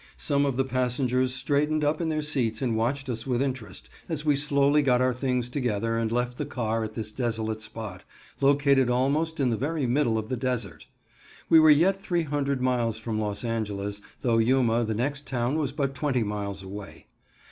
Some of the passengers straightened up in their seats and watched us with interest, as we slowly got our things together and left the car at this desolate spot, located almost in the very middle of the desert. We were yet 300 miles from Los Angeles, though Yuma, the next town, was but twenty miles away.